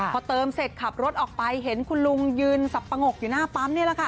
พอเติมเสร็จขับรถออกไปเห็นคุณลุงยืนสับปะงกอยู่หน้าปั๊มนี่แหละค่ะ